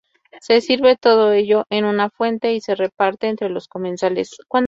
Se sirve todo ello en una fuente y se reparte entre los comensales.